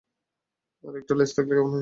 আরে একটা লেজ থাকলে কেমন হয়?